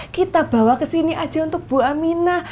kita bawa kesini aja untuk bu aminah